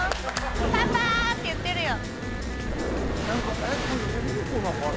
パパって言ってるよ。